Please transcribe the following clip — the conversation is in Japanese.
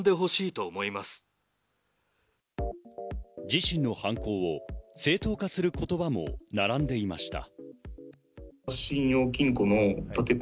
自身の犯行を正当化する言葉も並んでいました。